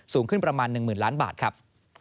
สูงขึ้นประมาณ๑๐๐๐ล้านบาทครับ